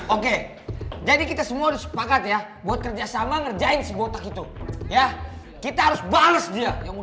oke jadi kita semua sepakat ya buat kerjasama ngerjain si botak itu ya kita harus bales dia yang